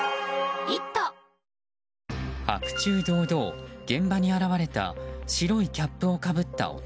白昼堂々、現場に現れた白いキャップをかぶった男。